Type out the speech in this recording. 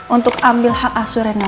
untuk ambil hak asurannya